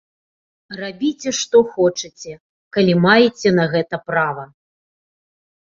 Рабіце што хочаце, калі маеце на гэта права!